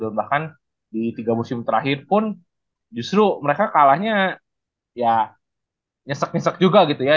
dan bahkan di tiga musim terakhir pun justru mereka kalahnya ya nyesek nyesek juga gitu ya